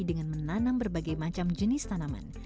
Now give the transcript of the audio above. dengan menanam berbagai macam jenis tanaman